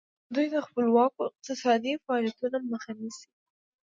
دوی د خپلواکو اقتصادي فعالیتونو مخه نیسي.